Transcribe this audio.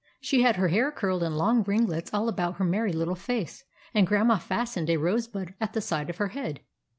She had her hair curled in long ringlets all about her merry little face, and Grandma fastened a rose bud at the side of her head.